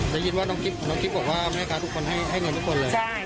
ได้ยินว่าน้องกิ๊บน้องกิ๊บบอกว่าแม่ค้าทุกคนให้เงินทุกคนเลย